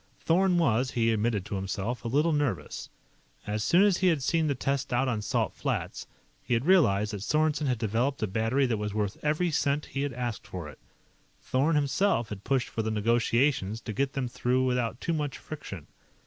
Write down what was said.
Thorn was, he admitted to himself, a little nervous. As soon as he had seen the test out on Salt Flats, he had realized that Sorensen had developed a battery that was worth every cent he had asked for it. Thorn himself had pushed for the negotiations to get them through without too much friction.